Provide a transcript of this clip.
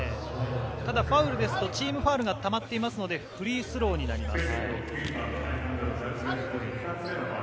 ファウルですと、チームファウルがたまっていますのでフリースローになります。